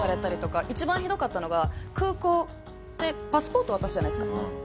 一番ひどかったのが空港でパスポート渡すじゃないですか。